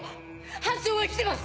班長は生きてます！